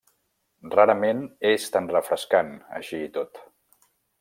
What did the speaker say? Rarament és tan refrescant, així i tot.